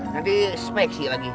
nanti speksi lagi